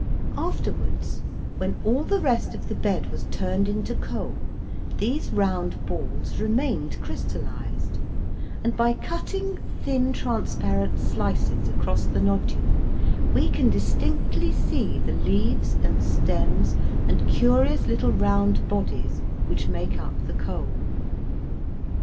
Afterwards, when all the rest of the bed was turned into coal, these round balls remained crystallized, and by cutting thin transparent slices across the nodule we can distinctly see the leaves and stems and curious little round bodies which make up the coal.